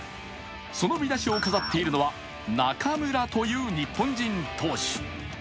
その見出しを飾っているのは「中村」という日本人投手。